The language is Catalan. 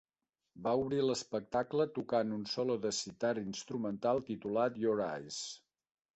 Va obrir l'espectacle tocant un solo de sitar instrumental titulat "Your Eyes".